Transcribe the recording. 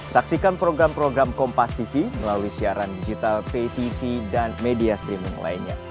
saksikan program program kompastv melalui siaran digital ptv dan media streaming lainnya